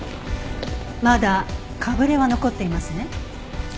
まだかぶれは残っていますね？